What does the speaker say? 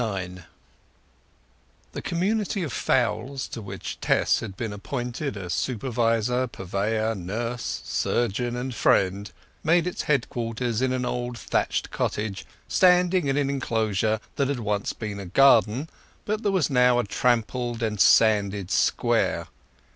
IX The community of fowls to which Tess had been appointed as supervisor, purveyor, nurse, surgeon, and friend made its headquarters in an old thatched cottage standing in an enclosure that had once been a garden, but was now a trampled and sanded square.